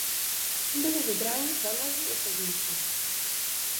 Byli vybráni dva mladí osadníci.